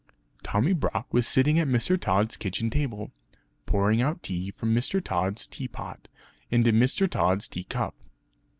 Tommy Brock was sitting at Mr. Tod's kitchen table, pouring out tea from Mr. Tod's tea pot into Mr. Tod's tea cup.